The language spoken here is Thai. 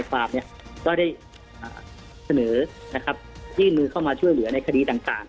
ว่าได้เสนอจิดมือเข้ามาช่วยเหลือในคดีต่างศาล